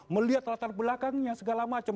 melihat latar belakangnya segala macam